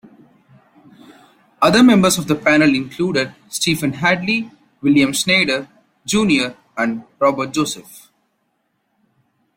Other members of the panel included Stephen Hadley, William Schneider, Junior and Robert Joseph.